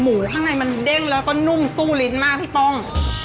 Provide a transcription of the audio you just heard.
ข้างในมันเด้งแล้วก็นุ่มสู้ลิ้นมากพี่ป้อง